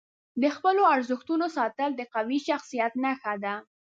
د خپلو ارزښتونو ساتل د قوي شخصیت نښه ده.